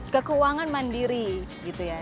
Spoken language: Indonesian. ke keuangan mandiri gitu ya